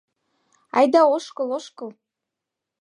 Айда ошкыл, ошкыл.